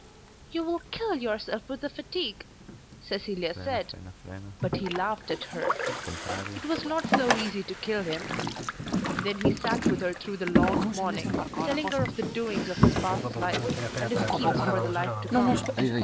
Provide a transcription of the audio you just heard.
"You will kill yourself with the fatigue," Cecilia said. But he laughed at her. It was not so easy to kill him. Then he sat with her through the long morning, telling her of the doings of his past life, and his schemes for the life to come.